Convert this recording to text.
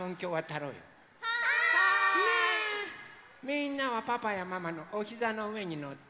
みんなはパパやママのおひざのうえにのって。